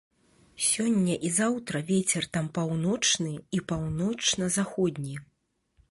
Сёння і заўтра вецер там паўночны і паўночна-заходні.